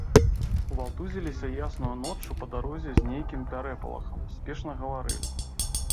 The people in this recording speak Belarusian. Валтузіліся яснаю ноччу па дарозе з нейкім пярэпалахам, спешна гаварылі.